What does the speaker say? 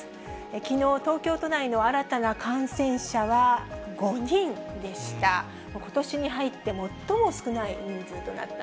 きのう、東京都内の新たな感染者は５人でした。